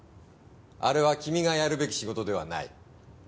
あれは君がやるべき仕事ではない。